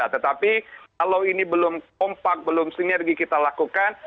tetapi kalau ini belum kompak belum sinergi kita lakukan